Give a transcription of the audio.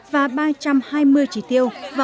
và ba trăm hai mươi chỉ tiêu